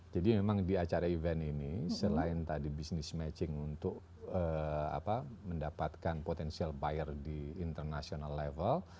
jadi memang di acara event ini selain tadi business matching untuk mendapatkan potensial buyer di internasional